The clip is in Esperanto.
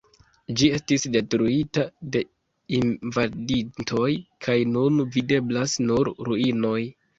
Ĝi estis detruita de invadintoj, kaj nun videblas nur ruinoj.